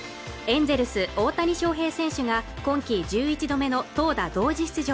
エンゼルス・大谷翔平選手が今季１１度目の投打同時出場